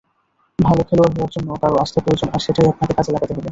ভালো খেলোয়াড় হওয়ার জন্য কারো আস্থা প্রয়োজন আর সেটাই আপনাকে কাজে লাগাতে হবে।